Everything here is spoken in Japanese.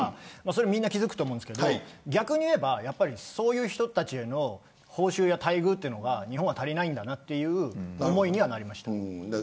それはみんな気付くと思うんですけど逆に言えばそういう人たちへの報酬や待遇が日本は足りないんだなという思いにはなりました。